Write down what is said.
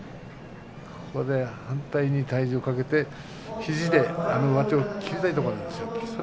反対に体重をかけて肘で上手を切りたいところでした。